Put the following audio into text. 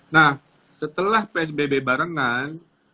nah setelah psbb barengan